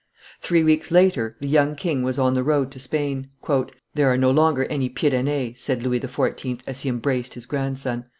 Three weeks later the young king was on the road to Spain. There are no longer any Pyrenees," said Louis XIV., as he embraced his grandson.